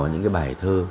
những cái bài thơ